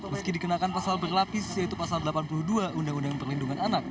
meski dikenakan pasal berlapis yaitu pasal delapan puluh dua undang undang perlindungan anak